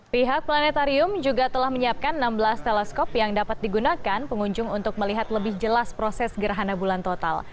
pihak planetarium juga telah menyiapkan enam belas teleskop yang dapat digunakan pengunjung untuk melihat lebih jelas proses gerhana bulan total